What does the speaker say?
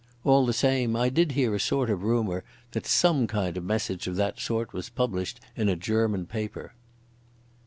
All the same I did hear a sort of rumour that some kind of message of that sort was published in a German paper."